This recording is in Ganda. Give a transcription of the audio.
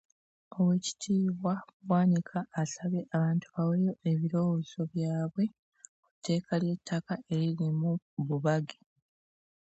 Oweekitiibwa Bwanika asabye abantu baweeyo ebirowoozo byabwe ku tteeka ly'ettaka eriri mu bubage